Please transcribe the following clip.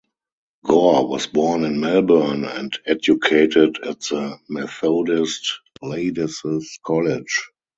Gorr was born in Melbourne and educated at the Methodist Ladies' College.